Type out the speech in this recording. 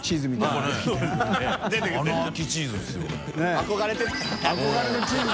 憧れてた。